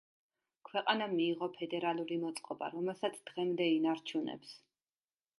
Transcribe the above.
ქვეყანამ მიიღო ფედერალური მოწყობა, რომელსაც დღემდე ინარჩუნებს.